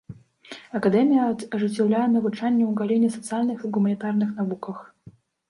Акадэмія ажыццяўляе навучанне ў галіне сацыяльных і гуманітарных навуках.